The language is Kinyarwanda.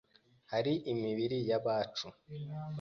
Hari imibiri y'abacu